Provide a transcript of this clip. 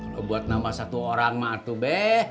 lo buat nama satu orang mak atuh be